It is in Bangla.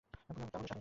পূজা, আমার সাথে আসো।